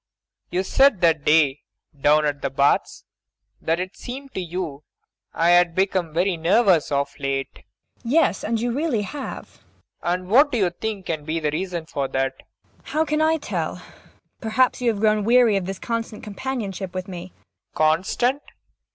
You said that day down at the Baths that it seemed to you I had become very nervous of late MAIA. Yes, and you really have. PROFESSOR RUBEK. And what do you think can be the reason of that? MAIA. How can I tell ? [Quickly.] Perhaps you have grown weary of this constant companionship with me. PROFESSOR RUBEK. Constant